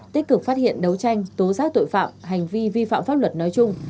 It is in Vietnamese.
tích cực phát hiện đấu tranh tố giác tội phạm hành vi vi phạm pháp luật nói chung